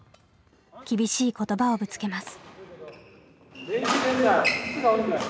厳しい言葉をぶつけます。